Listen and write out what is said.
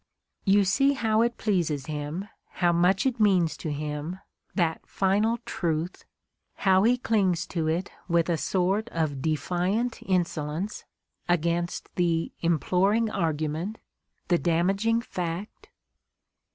You see how it pleases him, how much it means to him, that final "Truth," how he clings to jt with a sort of defiant insolence against the "imploring argument," the "dam aging fact"?